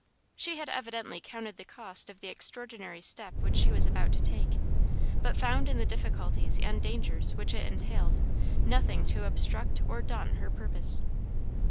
She had evidently counted the cost of the extraordinary step which she was about to take, but found in the difficulties and dangers which it entailed nothing to obstruct or daunt her purpose.